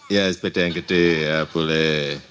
ya sepeda yang gede ya boleh